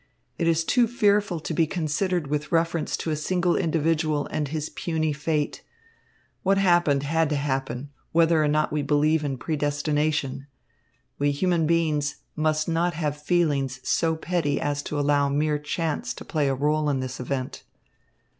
It is too fearful to be considered with reference to a single individual and his puny fate. What happened had to happen, whether or not we believe in predestination. We human beings must not have feelings so petty as to allow mere chance to play a rôle in this event."